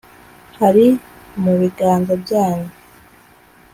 hari mu biganza byanyu